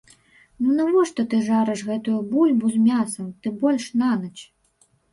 Ну навошта ты жарэш гэтую бульбу з мясам, тым больш, на ноч!